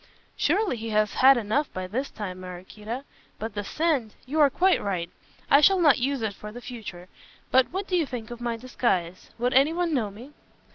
"Surely he has had enough by this time, Maraquita. But the scent " "You are quite right, I shall not use it for the future. But what do you think of my disguise? Would anyone know me?"